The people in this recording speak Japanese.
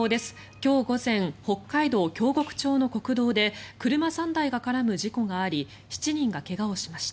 今日午前、北海道京極町の国道で車３台が絡む事故があり７人が怪我をしました。